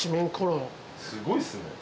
すごいっすね。